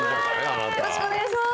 よろしくお願いします。